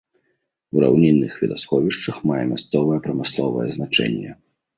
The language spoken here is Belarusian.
У раўнінных вадасховішчах мае мясцовае прамысловае значэнне.